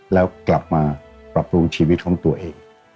แล้วกลับมาปรับปรุงชีวิตของตัวเอง